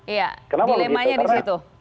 iya dilemanya di situ